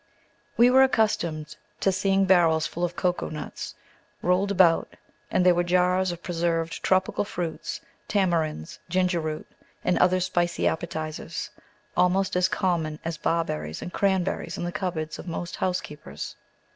We were accustomed to seeing barrels full of cocoa nuts rolled about; and there were jars of preserved tropical fruits, tamarinds, ginger root, and other spicy appetizers, almost as common as barberries and cranberries, in the cupboards of most housekeepers.